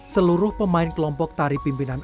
seluruh pemain kelompok tarian ini berkembang ke dunia